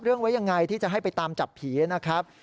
ไว้ยังไงที่จะให้ไปตามจับผีนะครับ